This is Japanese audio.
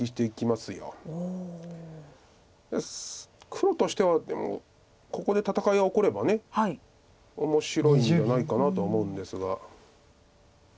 黒としてはでもここで戦いが起これば面白いんじゃないかなと思うんですが。